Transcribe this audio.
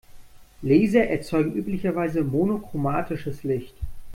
Laser erzeugen üblicherweise monochromatisches Licht.